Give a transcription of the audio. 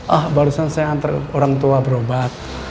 ah barusan saya antar orang tua berobat